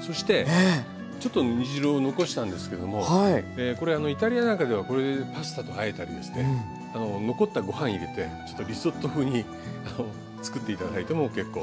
そしてちょっと煮汁を残したんですけどもイタリアなんかではこれでパスタとあえたりですね残ったご飯入れてちょっとリゾット風に作って頂いても結構。